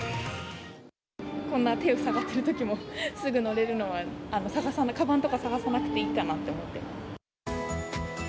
こんな手塞がってるときも、すぐ乗れるのは、かばんとか探さなくていいかなと思って。